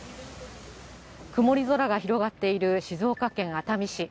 曇り空が広がっている静岡県熱海市。